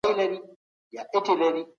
له مېرمنو سره ښه چلند پکار دی.